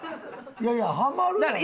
いやいやはまるやろ。